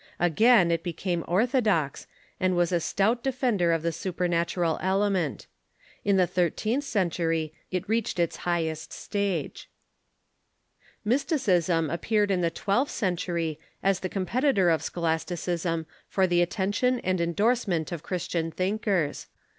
Again, it became orthodox, and was a stout de fender of the supernatural element. In the thirteenth century it reached its highest stage. Mysticism appeared in the twelfth century as the compet itor of scholasticism for the attention and endorsement of Christian thinkers.